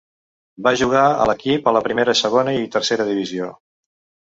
Va jugar a l'equip a la primera, segona i tercera divisió.